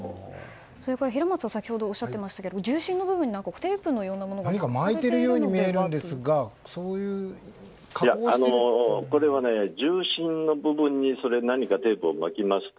それから平松さん先ほどおっしゃってましたけど銃身の部分に何かを巻いているように見えるんですが銃身の部分に何かテープを巻きますと